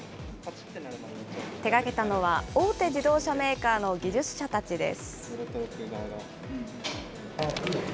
手がけたのは、大手自動車メーカーの技術者たちです。